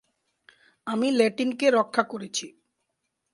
আমি ল্যাটিনকে রক্ষা করেছি।